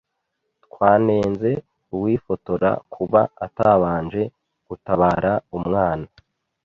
Twanenze uwifotora kuba atabanje gutabara umwana.